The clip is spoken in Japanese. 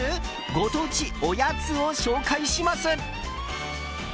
ご当地おやつを紹介します。